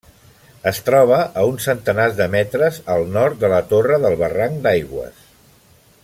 Es troba a uns centenars de metres al nord de la torre del barranc d'Aigües.